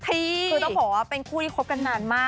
คือต้องบอกว่าเป็นคู่ที่คบกันนานมาก